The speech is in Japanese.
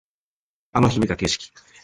あの日見た景色